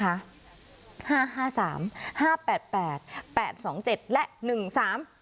ห้าห้าสามห้าแปดแปดแปดสองเจ็ดและหนึ่งสาม